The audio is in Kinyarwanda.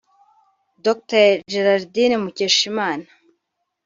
Dr Gerardine Mukeshimana